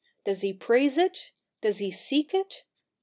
does he praise it ? does he seek it?